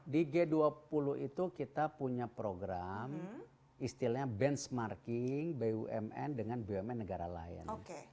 di g dua puluh itu kita punya program istilahnya benchmarking bumn dengan bumn negara lain